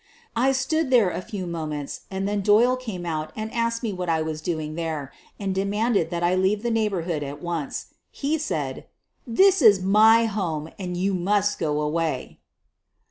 I stood there a few moments, and then Doyle came out and asked me what I was doing there, and de manded that I leave the neighborhood at once. He said: "This is my home, and you must go away."